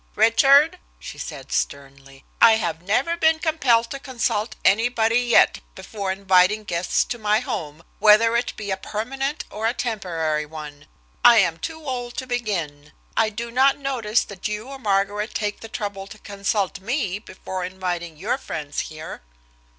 "Richard," she said sternly, "I have never been compelled to consult anybody yet, before inviting guests to my home, whether it be a permanent or a temporary one. I am too old to begin. I do not notice that you or Margaret take the trouble to consult me before inviting your friends here."